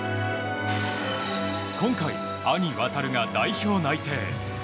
今回、兄・航が代表内定。